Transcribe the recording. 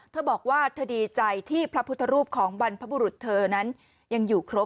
เธอบอกว่าเธอดีใจที่พระพุทธรูปของบรรพบุรุษเธอนั้นยังอยู่ครบ